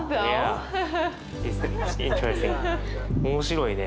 面白いね。